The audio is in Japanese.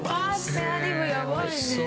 スペアリブやばいね！